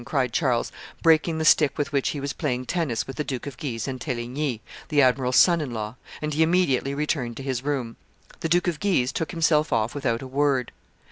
cried Charles, breaking the stick with which he was playing tennis with the Duke of Guise and Teligny, the admiral's son in law; and he immediately returned to his room. The Duke of Guise took himself off without a word.